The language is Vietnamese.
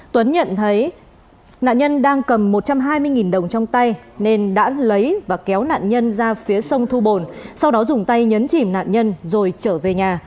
tuấn nhận thấy nạn nhân đang cầm một trăm hai mươi đồng trong tay nên đã lấy và kéo nạn nhân ra phía sông thu bồn sau đó dùng tay nhấn chìm nạn nhân rồi trở về nhà